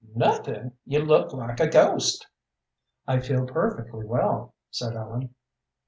"Nothing! You look like a ghost." "I feel perfectly well," said Ellen.